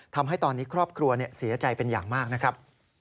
ทำให้ตอนนี้ครอบครัวเสียใจเป็นอย่างมากนะครับ